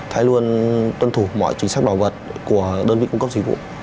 hãy luôn tuân thủ mọi chính sách bảo vật của đơn vị cung cấp sử dụng